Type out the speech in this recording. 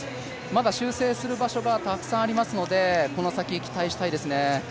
まだ修正する場所がたくさんありますので、この先、期待したいですね。